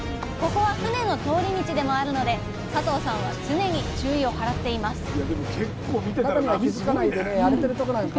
ここは船の通り道でもあるので佐藤さんは常に注意を払っています